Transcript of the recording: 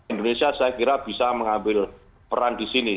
indonesia saya kira bisa mengambil peran di sini